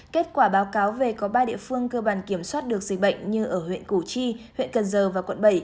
kết quả báo cáo về có ba địa phương cơ bản kiểm soát được dịch bệnh như ở huyện củ chi huyện cần giờ và quận bảy